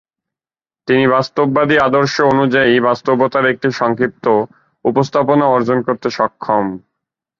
তিনি বাস্তববাদী আদর্শ অনুযায়ী বাস্তবতার একটি সংক্ষিপ্ত উপস্থাপনা অর্জন করতে সক্ষম।